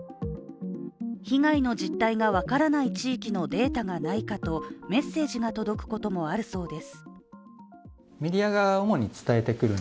被害の実態が分からない地域のデータがないかと、メッセージが届くこともあるそうです。